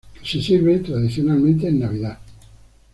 Se sirve tradicionalmente en Navidad.